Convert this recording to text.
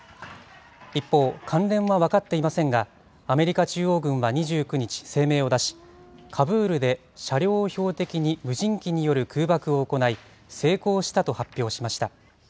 一方、関連は分かっていませんが、アメリカ中央軍は２９日、声明を出し、カブールで車両を標的に無人機による空爆を行い、成功したと発表しました。